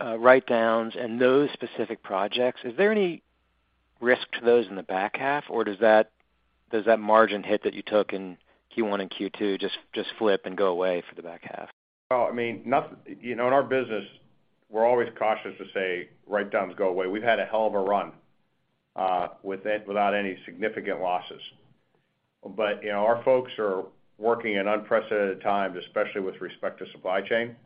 write-downs and those specific projects? Is there any risk to those in the back half, or does that margin hit that you took in Q1 and Q2 just flip and go away for the back half? Well, I mean, you know, in our business, we're always cautious to say write-downs go away. We've had a hell of a run without any significant losses. You know, our folks are working in unprecedented times, especially with respect to supply chain.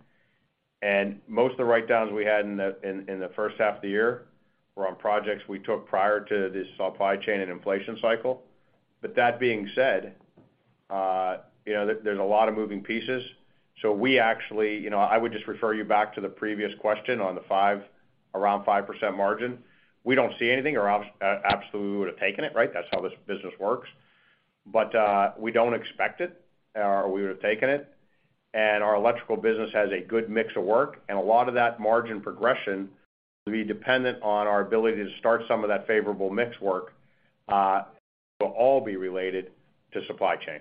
Most of the write-downs we had in the first half of the year were on projects we took prior to this supply chain and inflation cycle. That being said, you know, there's a lot of moving parts. You know, I would just refer you back to the previous question on around 5% margin. We don't see anything or absolutely would have taken it, right? That's how this business works. We don't expect it or we would have taken it. Our electrical business has a good mix of work, and a lot of that margin progression will be dependent on our ability to start some of that favorable mix work, will all be related to supply chain.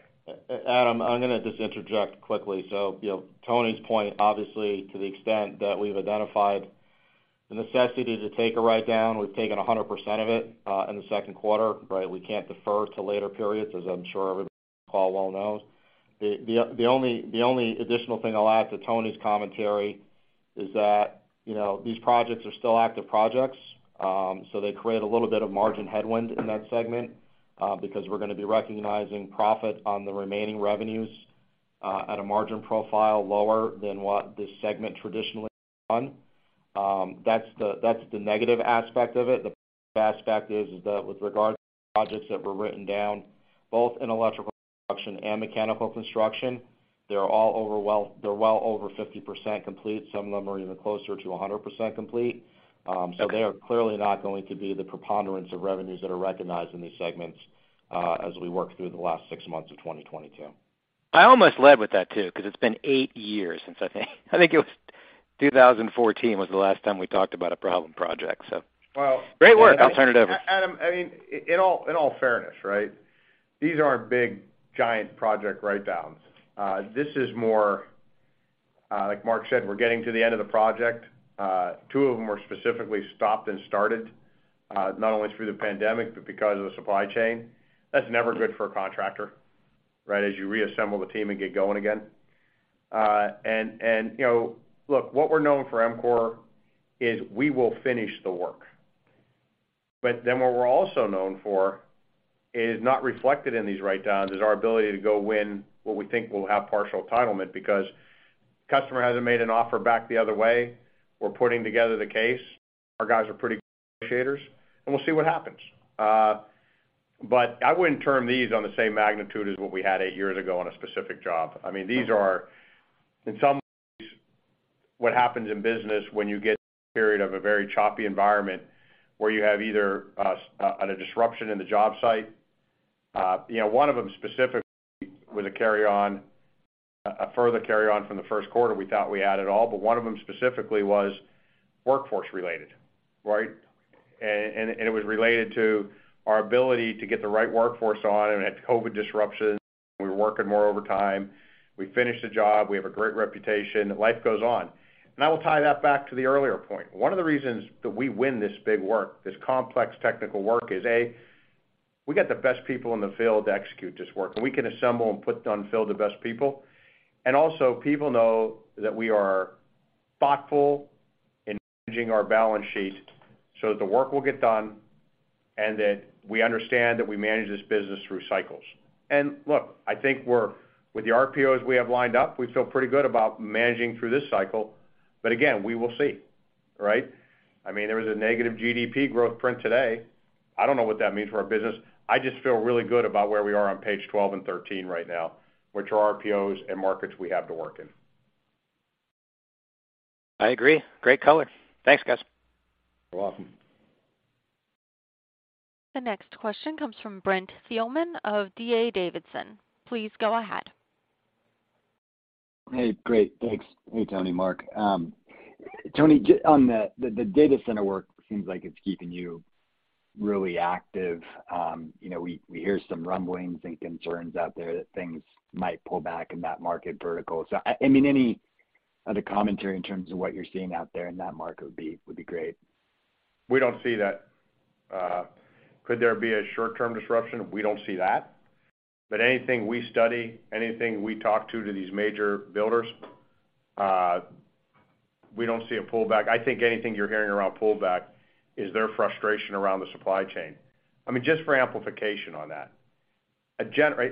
Adam, I'm gonna just interject quickly. You know, Tony's point, obviously, to the extent that we've identified the necessity to take a write-down, we've taken 100% of it in the second quarter, right? We can't defer to later periods, as I'm sure everybody on the call well knows. The only additional thing I'll add to Tony's commentary is that, you know, these projects are still active projects, so they create a little bit of margin headwind in that segment, because we're gonna be recognizing profit on the remaining revenues at a margin profile lower than what this segment traditionally has done. That's the negative aspect of it. The aspect is that with regard to projects that were written down, both in electrical construction and mechanical construction, they're well over 50% complete. Some of them are even closer to 100% complete. They are clearly not going to be the preponderance of revenues that are recognized in these segments, as we work through the last six months of 2022. I almost led with that, too, 'cause it's been eight years since I think it was 2014 was the last time we talked about a problem project. Great work. I'll turn it over. Adam, I mean, in all fairness, right? These aren't big, giant project write-downs. This is more, like Mark said, we're getting to the end of the project. Two of them were specifically stopped and started, not only through the pandemic, but because of the supply chain. That's never good for a contractor, right? As you reassemble the team and get going again. And, you know, look, what we're known for, EMCOR, is we will finish the work. But then what we're also known for is not reflected in these write-downs is our ability to go win what we think will have partial entitlement because customer hasn't made an offer back the other way. We're putting together the case. Our guys are pretty good initiators, and we'll see what happens. I wouldn't term these on the same magnitude as what we had eight years ago on a specific job. I mean, these are, in some ways, what happens in business when you get a period of a very choppy environment where you have either a disruption in the job site. You know, one of them specifically was a carryover, a further carryover from the first quarter. We thought we had it all, but one of them specifically was workforce related, right? And it was related to our ability to get the right workforce on, and had COVID disruptions. We were working more overtime. We finished the job. We have a great reputation. Life goes on. I will tie that back to the earlier point. One of the reasons that we win this big work, this complex technical work is, A, we got the best people in the field to execute this work, and we can assemble and put in the field the best people. Also, people know that we are thoughtful managing our balance sheet so that the work will get done and that we understand that we manage this business through cycles. Look, I think we're with the RPOs we have lined up, we feel pretty good about managing through this cycle. Again, we will see, right? I mean, there was a negative GDP growth print today. I don't know what that means for our business. I just feel really good about where we are on page 12 and 13 right now, which are RPOs and markets we have to work in. I agree. Great color. Thanks, guys. You're welcome. The next question comes from Brent Thielman of D.A. Davidson. Please go ahead. Hey, great. Thanks. Hey, Tony, Mark. Tony, on the data center work seems like it's keeping you really active. You know, we hear some rumblings and concerns out there that things might pull back in that market vertical. I mean, any other commentary in terms of what you're seeing out there in that market would be great. We don't see that. Could there be a short-term disruption? We don't see that. But anything we study, anything we talk to these major builders, we don't see a pullback. I think anything you're hearing around pullback is their frustration around the supply chain. I mean, just for amplification on that,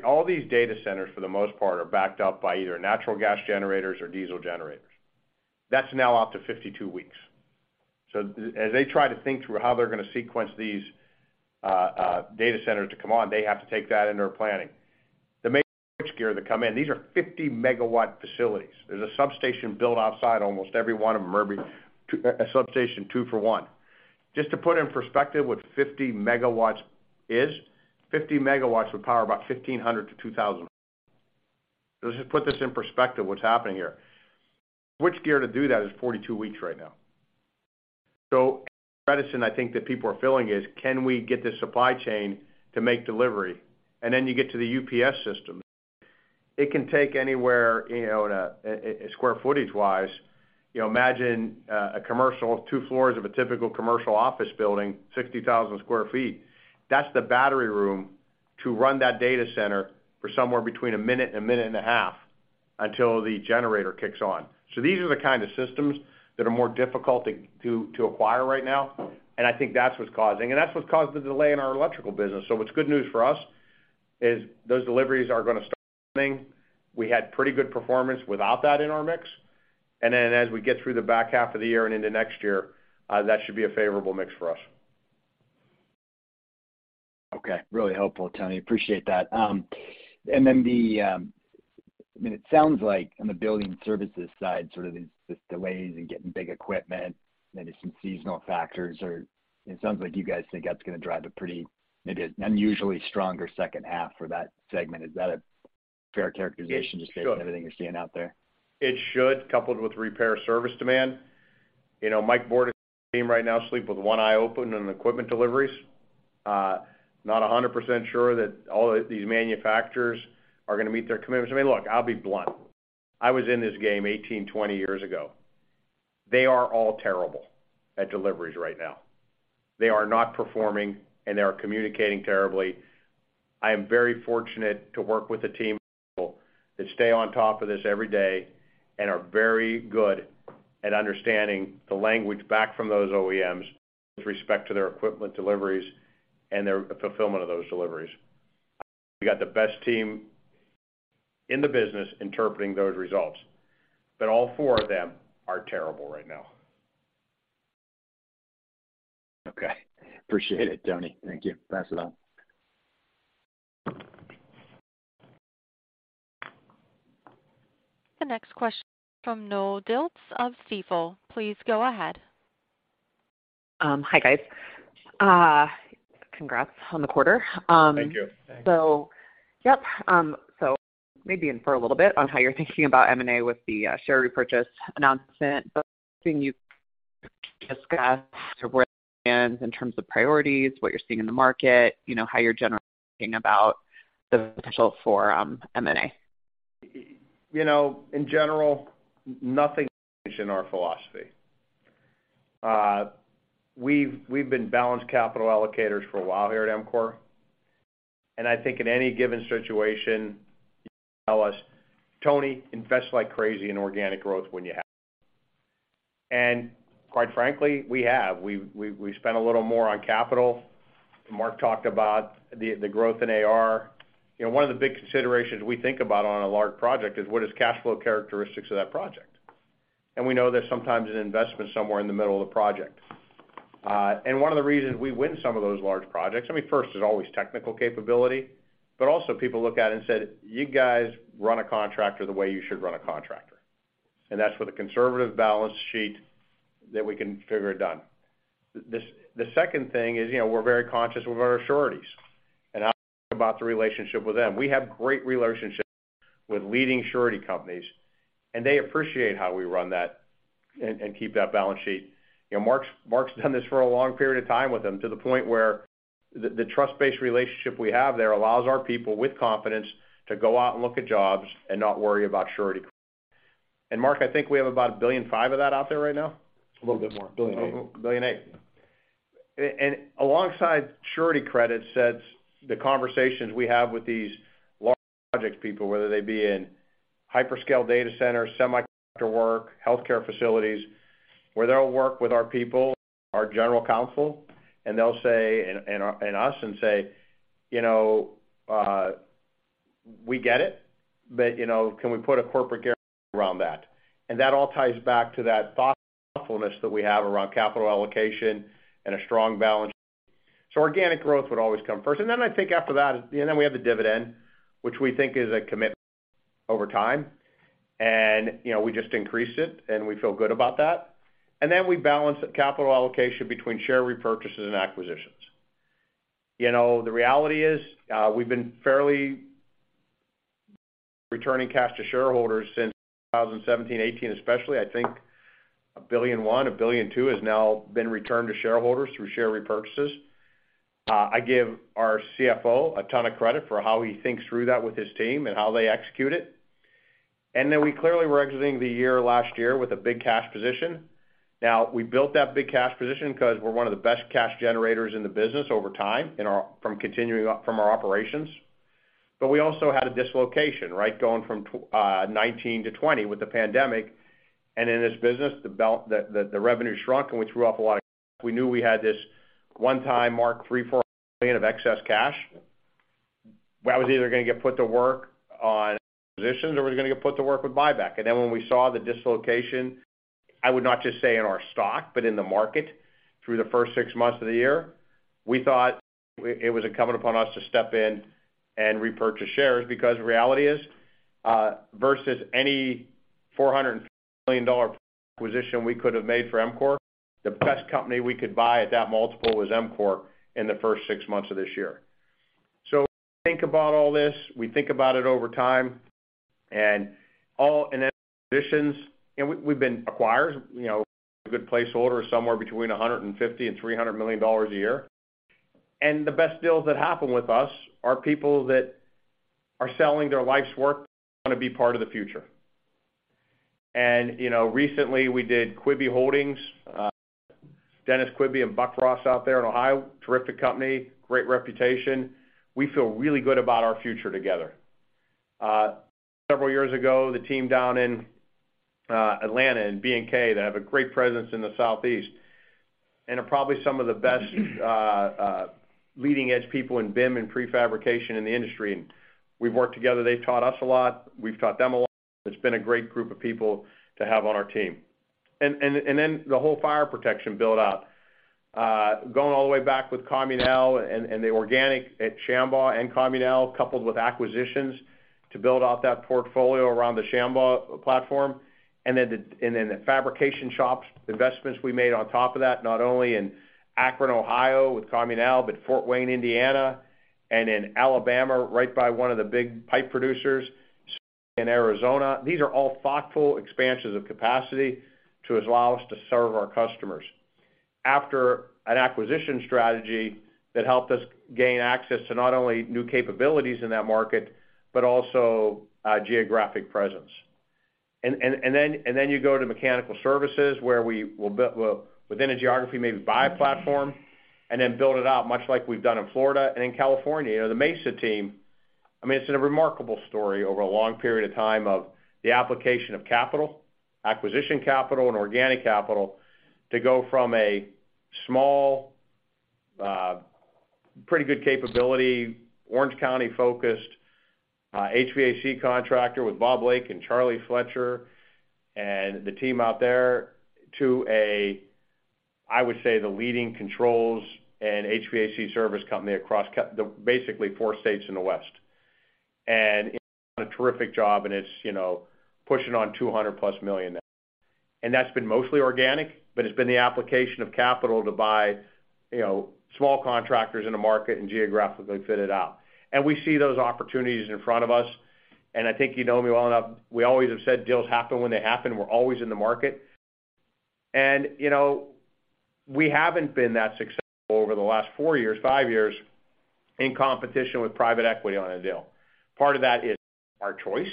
all these data centers, for the most part, are backed up by either natural gas generators or diesel generators. That's now out to 52 weeks. So as they try to think through how they're gonna sequence these data centers to come on, they have to take that into their planning. The major switch gear that come in, these are 50 MW facilities. There's a substation built outside almost every one of them, or maybe two, a substation, two for one. Just to put in perspective what 50 MW is, 50 MW would power about 1,500 homes-2,000 homes. Just put this in perspective, what's happening here. Switchgear to do that is 42 weeks right now. The reticence I think that people are feeling is, can we get this supply chain to make delivery? Then you get to the UPS system. It can take anywhere, you know, to square footage-wise, you know, imagine a commercial, two floors of a typical commercial office building, 60,000 sq ft. That's the battery room to run that data center for somewhere between a minute and a minute and a half until the generator kicks on. These are the kind of systems that are more difficult to acquire right now, and I think that's what's causing. That's what's caused the delay in our electrical business. What's good news for us is those deliveries are gonna start coming. We had pretty good performance without that in our mix. Then as we get through the back half of the year and into next year, that should be a favorable mix for us. Okay. Really helpful, Tony. Appreciate that. I mean, it sounds like on the building services side, sort of these delays in getting big equipment, maybe some seasonal factors or it sounds like you guys think that's gonna drive a pretty, maybe an unusually stronger second half for that segment. Is that a fair characterization? It should. Just based on everything you're seeing out there? It should, coupled with repair service demand. You know, Michael Bordes and his team right now sleep with one eye open on equipment deliveries. Not 100% sure that all these manufacturers are gonna meet their commitments. I mean, look, I'll be blunt. I was in this game 18, 20 years ago. They are all terrible at deliveries right now. They are not performing, and they are communicating terribly. I am very fortunate to work with a team of people that stay on top of this every day and are very good at understanding the language back from those OEMs with respect to their equipment deliveries and their fulfillment of those deliveries. We got the best team in the business interpreting those results, but all four of them are terrible right now. Okay. Appreciate it, Tony. Thank you. Pass it on. The next question from Noelle Dilts of Stifel. Please go ahead. Hi, guys. Congrats on the quarter. Thank you. Yep. Maybe infer a little bit on how you're thinking about M&A with the share repurchase announcement, but you discuss where it stands in terms of priorities, what you're seeing in the market, you know, how you're generally thinking about the potential for M&A. You know, in general, nothing's changed in our philosophy. We've been balanced capital allocators for a while here at EMCOR, and I think in any given situation, you tell us, "Tony, invest like crazy in organic growth when you have to." And quite frankly, we have. We've spent a little more on capital. Mark talked about the growth in AR. You know, one of the big considerations we think about on a large project is what is cash flow characteristics of that project. We know there's sometimes an investment somewhere in the middle of the project. One of the reasons we win some of those large projects, I mean, first is always technical capability, but also people look at it and said, "You guys run a contractor the way you should run a contractor." That's with a conservative balance sheet that we can get it done. The second thing is, you know, we're very conscious with our sureties, and how about the relationship with them. We have great relationships with leading surety companies, and they appreciate how we run that and keep that balance sheet. You know, Mark's done this for a long period of time with them, to the point where the trust-based relationship we have there allows our people, with confidence, to go out and look at jobs and not worry about surety. Mark, I think we have about $1.5 billion of that out there right now? A little bit more. $1.8 billion. $1.8 billion. Alongside surety credits sets the conversations we have with these large project people, whether they be in hyperscale data centers, semiconductor work, healthcare facilities, where they'll work with our people, our general counsel, and they'll say and say, "You know, we get it, but, you know, can we put a corporate guarantee around that?" That all ties back to that thoughtfulness that we have around capital allocation and a strong balance sheet. Organic growth would always come first. Then I think after that, you know, we have the dividend, which we think is a commitment over time. You know, we just increased it, and we feel good about that. Then we balance the capital allocation between share repurchases and acquisitions. You know, the reality is, we've been fairly returning cash to shareholders since 2017, 2018 especially. I think $1.1 billion, $1.2 billion has now been returned to shareholders through share repurchases. I give our CFO a ton of credit for how he thinks through that with his team and how they execute it. Then we clearly were exiting the year last year with a big cash position. Now, we built that big cash position because we're one of the best cash generators in the business over time from our continuing operations. But we also had a dislocation, right? Going from 2019 to 2020 with the pandemic. In this business, the revenue shrunk, and we threw off a lot of cash. We knew we had this one-time mark, $300 million-$400 million of excess cash. That was either gonna get put to work on acquisitions or was gonna get put to work with buyback. When we saw the dislocation, I would not just say in our stock, but in the market through the first six months of the year, we thought it was incumbent upon us to step in and repurchase shares because reality is versus any $450 million+ acquisition we could have made for EMCOR, the best company we could buy at that multiple was EMCOR in the first six months of this year. We think about all this, we think about it over time, and then acquisitions, and we've been acquirers. You know, a good placeholder is somewhere between $150 million and $300 million a year. The best deals that happen with us are people that are selling their life's work and wanna be part of the future. You know, recently we did Quebe Holdings, Dennis F. Quebe and Gregory Ross out there in Ohio, terrific company, great reputation. We feel really good about our future together. Several years ago, the team down in Atlanta in B&K, they have a great presence in the Southeast, and are probably some of the best leading-edge people in BIM and prefabrication in the industry. We've worked together, they've taught us a lot, we've taught them a lot. It's been a great group of people to have on our team. Then the whole fire protection build out, going all the way back with Comunale and the organic at Shambaugh and Comunale, coupled with acquisitions to build out that portfolio around the Shambaugh platform. Then the fabrication shops investments we made on top of that, not only in Akron, Ohio, with Comunale, but Fort Wayne, Indiana, and in Alabama, right by one of the big pipe producers in Arizona. These are all thoughtful expansions of capacity to allow us to serve our customers. After an acquisition strategy that helped us gain access to not only new capabilities in that market, but also geographic presence. Then you go to mechanical services where we will within a geography, maybe buy a platform and then build it out, much like we've done in Florida and in California. You know, the Mesa team, I mean, it's been a remarkable story over a long period of time of the application of capital, acquisition capital and organic capital to go from a small, pretty good capability, Orange County-focused, HVAC contractor with Bob Lake and Charlie Fletcher and the team out there to a, I would say, the leading controls and HVAC service company across the basically four states in the West. It's done a terrific job, and it's, you know, pushing on $200+ million now. That's been mostly organic, but it's been the application of capital to buy, you know, small contractors in the market and geographically fit it out. We see those opportunities in front of us, and I think you know me well enough. We always have said deals happen when they happen. We're always in the market. You know, we haven't been that successful over the last four years, five years in competition with private equity on a deal. Part of that is our choice.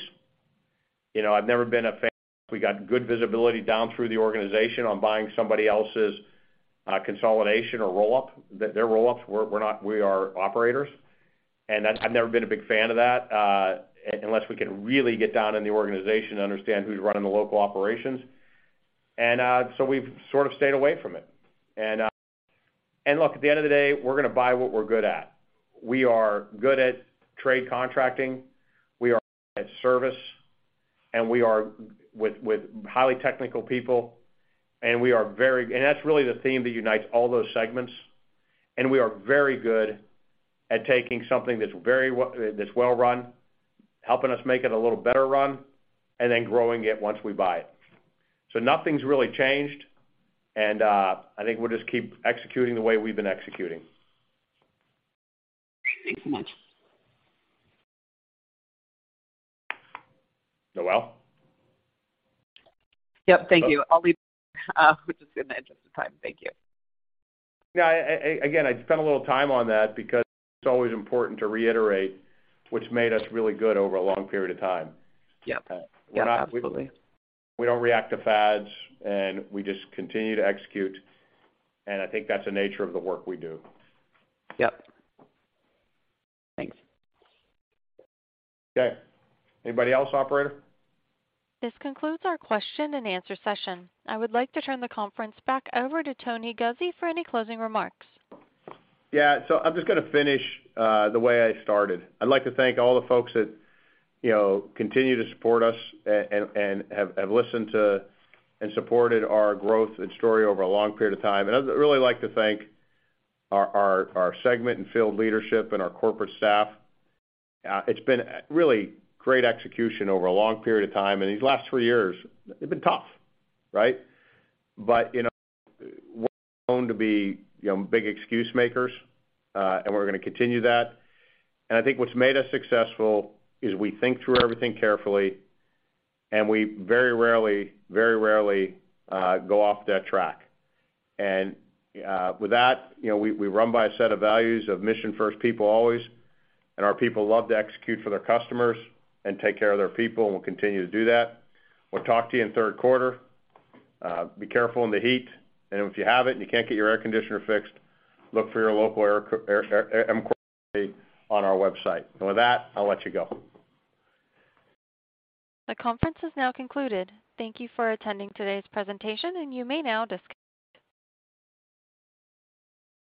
You know, I've never been a fan. We got good visibility down through the organization on buying somebody else's consolidation or roll-up, their roll-ups. We are operators, and I've never been a big fan of that unless we can really get down in the organization and understand who's running the local operations. Look, at the end of the day, we're gonna buy what we're good at. We are good at trade contracting. We are good at service, and we are with highly technical people, and we are very. That's really the theme that unites all those segments. We are very good at taking something that's well run, helping us make it a little better run, and then growing it once we buy it. Nothing's really changed, and I think we'll just keep executing the way we've been executing. Thanks so much. Noelle? Yep, thank you. I'll leave, just in the interest of time. Thank you. Yeah. Again, I spent a little time on that because it's always important to reiterate what's made us really good over a long period of time. Yep. Yep, absolutely. We don't react to fads, and we just continue to execute, and I think that's the nature of the work we do. Yep. Thanks. Okay. Anybody else, operator? This concludes our question and answer session. I would like to turn the conference back over to Tony Guzzi for any closing remarks. I'm just gonna finish the way I started. I'd like to thank all the folks that continue to support us and have listened to and supported our growth and story over a long period of time. I'd really like to thank our segment and field leadership and our corporate staff. It's been really great execution over a long period of time. These last three years, they've been tough, right? We're known to be big excuse makers, and we're gonna continue that. I think what's made us successful is we think through everything carefully, and we very rarely go off that track. With that, we run by a set of values of mission first, people always. Our people love to execute for their customers and take care of their people, and we'll continue to do that. We'll talk to you in third quarter. Be careful in the heat, and if you haven't, you can't get your air conditioner fixed. Look for your local air EMCOR company on our website. With that, I'll let you go. The conference is now concluded. Thank you for attending today's presentation, and you may now disconnect.